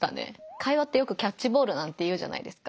会話ってよくキャッチボールなんて言うじゃないですか。